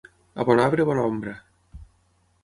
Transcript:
A bon arbre, bona ombra.